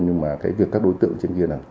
nhưng mà các đối tượng trên kia